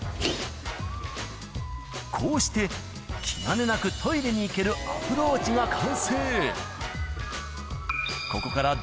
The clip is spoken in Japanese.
こうして気兼ねなくトイレに行けるアプローチが完成。